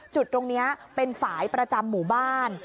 จุดตรงนี้เป็นฝ่ายประจำหมู่บ้าน